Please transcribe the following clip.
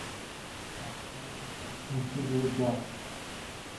سبک های مختلف موسیقی جاز